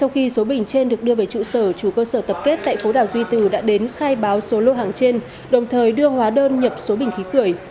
khi số bình trên được đưa về trụ sở chủ cơ sở tập kết tại phố đảo duy từ đã đến khai báo số lô hàng trên đồng thời đưa hóa đơn nhập số bình khí cười